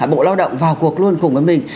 bộ lao động vào cuộc luôn cùng với mình